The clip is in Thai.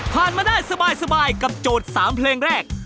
มาได้สบายกับโจทย์๓เพลงแรก